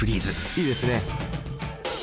いいですね。